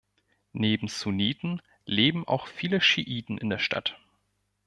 Neben Sunniten leben auch viele Schiiten in der Stadt.